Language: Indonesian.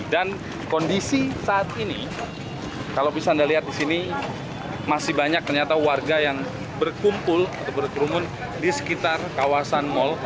dan kondisi saat ini kalau bisa anda lihat disini masih banyak ternyata warga yang berkumpul atau berkerumun di sekitar kawasan mal